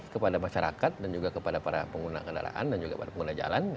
kepada masyarakat dan juga kepada para pengguna kendaraan dan juga para pengguna jalan